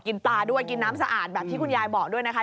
ปลาด้วยกินน้ำสะอาดแบบที่คุณยายบอกด้วยนะคะ